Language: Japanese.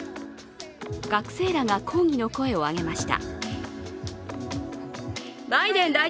学生らが抗議の声を上げました。